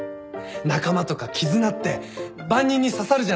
仲間とか絆って万人に刺さるじゃないですか。